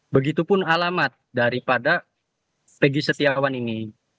begitupun alamat daripada tegy setiawan ini